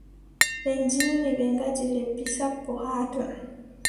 Ɓe ndilli, ɓe ngaɗi lebbi sappo haa ton.